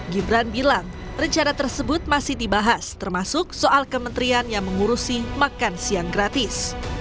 gibran bilang rencana tersebut masih dibahas termasuk soal kementerian yang mengurusi makan siang gratis